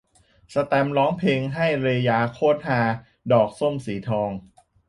แสตมป์ร้องเพลงให้ "เรยา" โคตรฮา ! ดอกส้มสีทอง